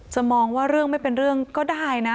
มองว่าเรื่องไม่เป็นเรื่องก็ได้นะ